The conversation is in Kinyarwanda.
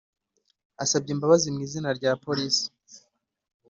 asabye imbabazi mwizina rya police"